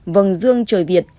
vầng dương trời việt